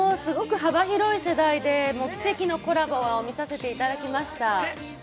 幅広い世代で奇跡のコラボ見せていただきました。